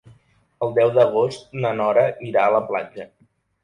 El deu d'agost na Nora irà a la platja.